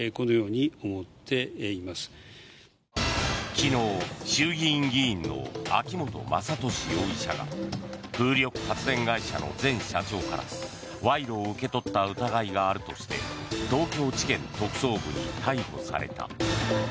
昨日、衆議院議員の秋本真利容疑者が風力発電会社の前社長から賄賂を受け取った疑いがあるとして東京地検特捜部に逮捕された。